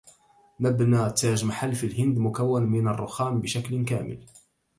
مبنى تاج محل في الهند مكوّن من الرخام بشكل كامل.